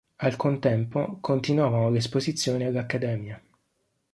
Al contempo continuavano le esposizioni all'Accademia.